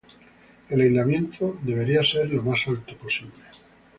El aislamiento debería ser lo más alto posible.